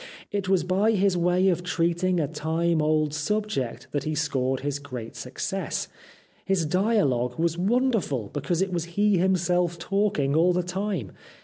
It was by his way of treating a time old subject that he scored his great success. His dialogue was wonderful because it was he himself talking all the time.